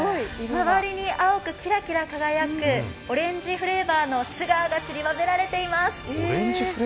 周りに青くキラキラ輝くオレンジフレーバーのシュガーがちりばめられています。